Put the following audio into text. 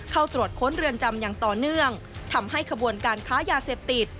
เข้าตรวจค้นเรือนจำอย่างต่อเนื่องทำให้ขบวนการค้ายาเสพติด